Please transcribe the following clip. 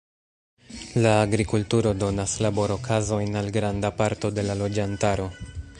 La agrikulturo donas labor-okazojn al granda parto de la loĝantaro.